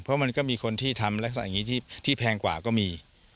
เพราะมันมีคนที่ทำกันอะไรที่แพงกว่าก็มี